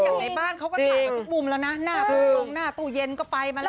บ้านเขาก็ถ่ายไปทุกปุ่มแล้วนะหน้าฟูตรอบตรงหน้าตู้เย็นก็ไปมาแล้ว